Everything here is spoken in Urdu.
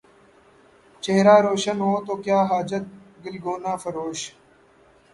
چہرہ روشن ہو تو کیا حاجت گلگونہ فروش